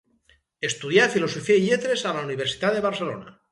Estudià filosofia i lletres a la Universitat de Barcelona.